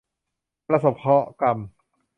ประสบเคราะห์กรรม